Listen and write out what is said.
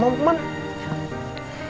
mau ke rumahnya andi